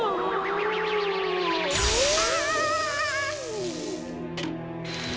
うわ！